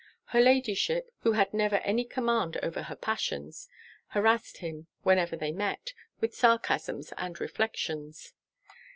Her Ladyship, who had never any command over her passions, harrassed him, whenever they met, with sarcasms and reflections.